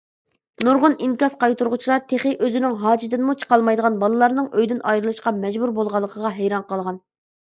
نۇرغۇن ئىنكاس قايتۇرغۇچىلار تېخى ئۆزىنىڭ ھاجىتىدىنمۇ چىقالمايدىغان بالىلارنىڭ ئۆيدىن ئايرىلىشقا مەجبۇر بولغانلىقىغا ھەيران قالغان.